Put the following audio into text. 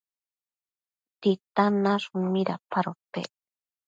¿Titan nashun midapadopec?